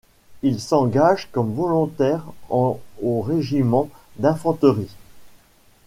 Il s'engage comme volontaire en au Régiment d'infanterie.